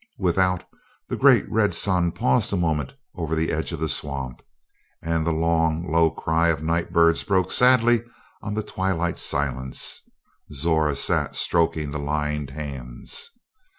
Without, the great red sun paused a moment over the edge of the swamp, and the long, low cry of night birds broke sadly on the twilight silence. Zora sat stroking the lined hands.